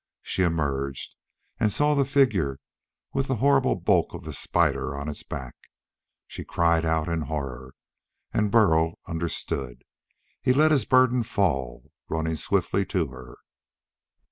She emerged, and saw the figure with the horrible bulk of the spider on its back. She cried out in horror, and Burl understood. He let his burden fall, running swiftly to her.